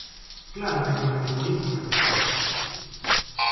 Claro que é unha lei política.